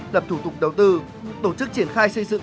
lập thủ tục đầu tư tổ chức triển khai xây dựng